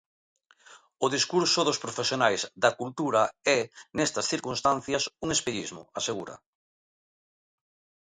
"O discurso dos profesionais da cultura é, nestas circunstancias, un espellismo", asegura.